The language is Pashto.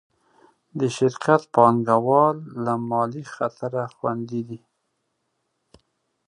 د شرکت پانګهوال له مالي خطره خوندي دي.